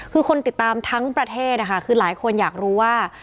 คือคนติดตามทั้งประเทศนะคะคือหลายคนอยากรู้ว่า